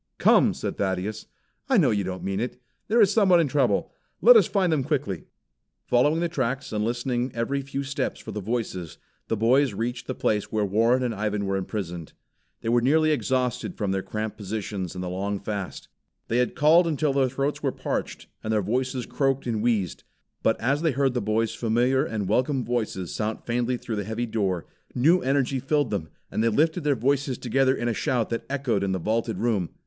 "Come!" said Thaddeus. "I know you don't mean it. There is someone in trouble. Let us find them quickly." Following the tracks and listening every few steps for the voices, the boys reached the place where Warren and Ivan were imprisoned. They were nearly exhausted from the cramped positions and the long fast. They had called until their throats were parched, and their voices croaked and wheezed. But as they heard the boys familiar and welcome voices sound faintly through the heavy door, new energy thrilled then and they lifted their voices together in a shout that echoed in the vaulted room.